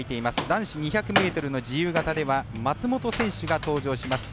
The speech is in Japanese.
男子２００ｍ自由形では松元選手が登場します。